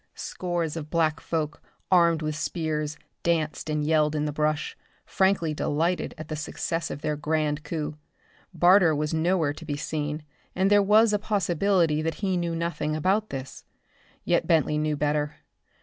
Scores of black folk armed with spears danced and yelled in the brush, frankly delighted at the success of their grand coup. Barter was nowhere to be seen, and there was a possibility that he knew nothing about this. Yet Bentley knew better.